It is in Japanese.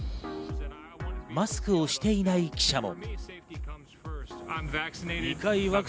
マスクをしていない記者も。